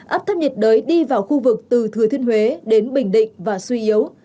áp thấp nhiệt đới đi vào khu vực từ thừa thiên huế đến bình định và suy yếu